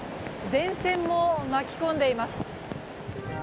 電線も巻き込んでいます。